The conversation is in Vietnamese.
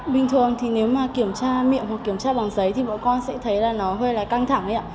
bình thường thì nếu mà kiểm tra miệng hoặc kiểm tra bằng giấy thì bọn con sẽ thấy là nó hơi là căng thẳng đấy ạ